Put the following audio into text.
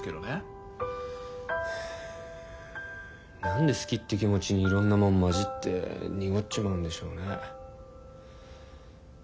はあ何で好きって気持ちにいろんなもん混じって濁っちまうんでしょうね。